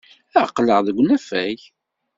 Aql-aɣ deg unafag.